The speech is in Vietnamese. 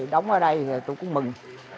đóng ở đây tôi cũng mừng